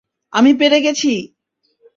আমি পেরে গেছি!